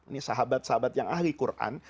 ini sahabat sahabat yang ahli quran